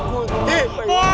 kunti pak iwan